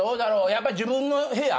やっぱり自分の部屋？